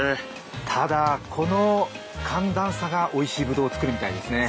ただこの寒暖差がおいしいぶどうを作りみたいですね。